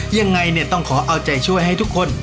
ยังไงเนี่ยต้องขอเอาใจช่วยให้ทุกคน